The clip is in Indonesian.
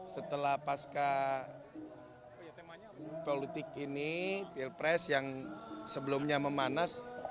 setelah pasca politik ini pilpres yang sebelumnya memanas